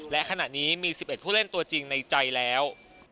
และขณะนี้มี๑๑ผู้เล่นตัวจริงในใจแล้ว